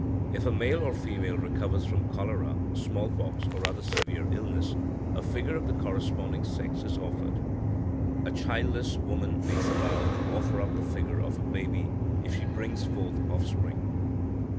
If a male or female recovers from cholera, smallpox, or other severe illness, a figure of the corresponding sex is offered. A childless woman makes a vow to offer up the figure of a baby, if she brings forth offspring.